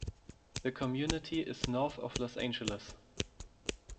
The community is north of Los Angeles.